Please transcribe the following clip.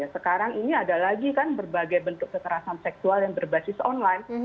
sekarang ini ada lagi kan berbagai bentuk kekerasan seksual yang berbasis online